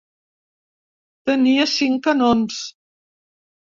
Tenia cinc canons.